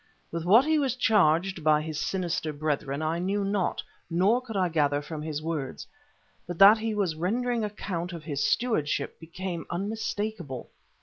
With what he was charged by his sinister brethren I knew not nor could I gather from his words, but that he was rendering account of his stewardship became unmistakable.